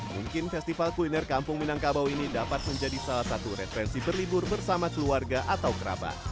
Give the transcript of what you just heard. mungkin festival kuliner kampung minangkabau ini dapat menjadi salah satu referensi berlibur bersama keluarga atau kerabat